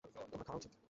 তোমার খাওয়া উচিত।